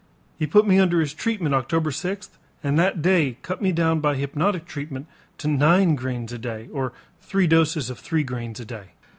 He put me under his treatment October 6th and that day cut me down by hypnotic treatment to nine grains a day or three doses of three grains a day.